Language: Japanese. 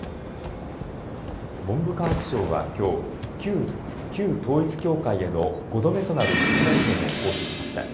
文部科学省はきょう旧統一教会への５度目となる質問権を行使しました。